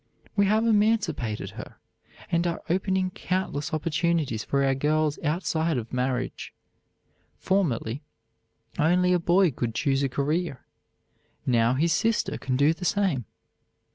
We have emancipated her, and are opening countless opportunities for our girls outside of marriage. Formerly only a boy could choose a career; now his sister can do the same.